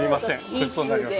ごちそうになります。